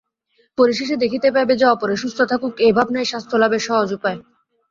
পরিশেষে দেখিতে পাইবে যে, অপরে সুস্থ থাকুক, এই ভাবনাই স্বাস্থ্য-লাভের সহজ উপায়।